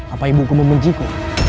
apa ibuku membenciku